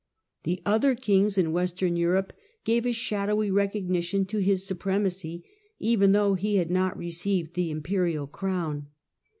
The other kings in Western Europe gave a shadowy recognition to his supremacy, even though he had not received the Im perial crown.